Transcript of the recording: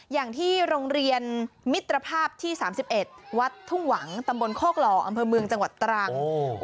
อย่างที่โรงเรียนมิตรภาพที่๓๑วัดทุ่งหวังตำบลโคกหล่ออำเภอเมืองจังหวัดตรัง